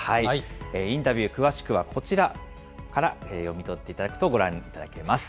インタビュー、詳しくはこちらから読み取っていただくと、ご覧いただけます。